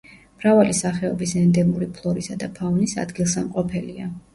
მრავალი სახეობის ენდემური ფლორისა და ფაუნის ადგილსამყოფელია.